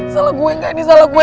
salah gue gak ini salah gue